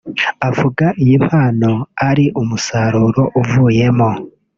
avuga iyi mpano ari umusaruro uvuyemo